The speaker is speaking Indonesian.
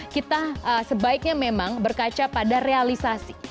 kita sebaiknya memang berkaca pada realisasi